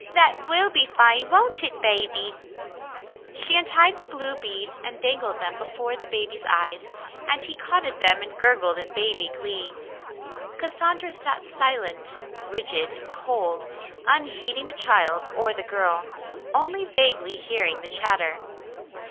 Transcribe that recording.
That will be fine, won't it, baby ?" She untied the blue beads and dangled them before the baby's eyes, and he caught at them and gurgled in baby glee. Cassandra sat silent, rigid, and cold, unheeding the child or the girl, only vaguely hearing the chatter.